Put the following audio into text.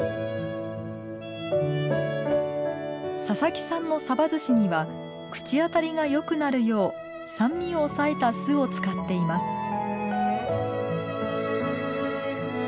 佐々木さんの寿司には口当たりがよくなるよう酸味を抑えた酢を使っています